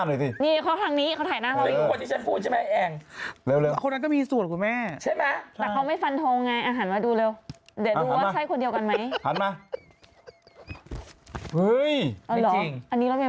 ไม่เดี๋ยวเดี๋ยวเดี๋ยวเขียนมาดี